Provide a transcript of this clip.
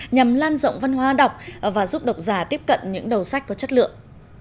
nhằm lan rộng văn hóa đọc và giúp độc giả tiếp cận những đầu sách có chất lượng